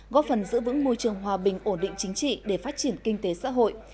góp phần giữ vững môi trường hòa bình ổn định chính trị để phát triển kinh tế xã hội